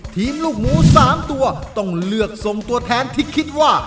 ลูกหมู๓ตัวต้องเลือกทรงตัวแทนที่คิดว่า